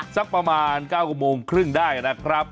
สักประมาณ๙โมงครึ่งได้นะครับ